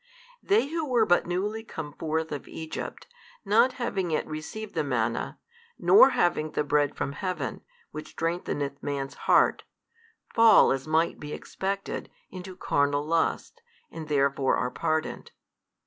They who were but newly come forth of Egypt, not having yet received the manna, nor having the Bread from heaven, which strengtheneth man's heart, fall as might be expected, into carnal lusts, and therefore are pardoned.